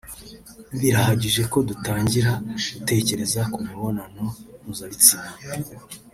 birahagije ko dutangira gutekereza ku mibonano mpuzabitsina”